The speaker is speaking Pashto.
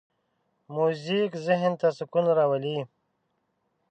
موزیک ذهن ته سکون راولي.